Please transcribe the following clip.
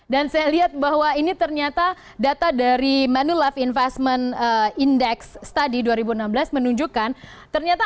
dan saya lihat bahwa ini ternyata data dari manulife investment index study dua ribu enam belas menunjukkan ternyata